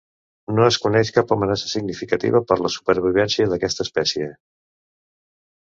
No es coneix cap amenaça significativa per a la supervivència d'aquesta espècie.